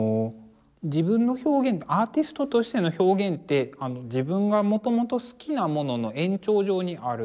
自分の表現アーティストとしての表現って自分がもともと好きなものの延長上にあるんですね。